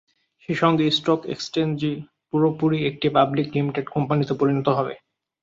সেই সঙ্গে স্টক এক্সচেঞ্জটি পুরোপুরি একটি পাবলিক লিমিটেড কোম্পানিতে পরিণত হবে।